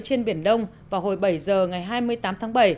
trên biển đông vào hồi bảy giờ ngày hai mươi tám tháng bảy